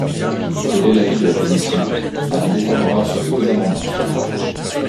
Quel est l’avis de la commission ? Avis défavorable sur les deux amendements.